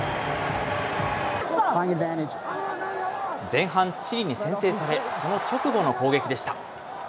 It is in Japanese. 前半、チリに先制され、その直後の攻撃でした。